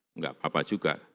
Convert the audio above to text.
enggak apa apa juga